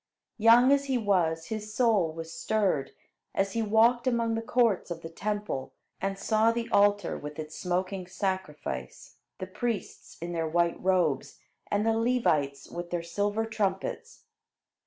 Young as he was, his soul was stirred, as he walked among the courts of the Temple and saw the altar with its smoking sacrifice, the priests in their white robes, and the Levites with their silver trumpets.